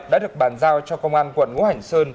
đã được bàn giao cho công an quận ngũ hành sơn